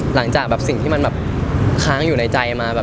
หลังจากสิ่งที่ค้างอยู่ในใจมา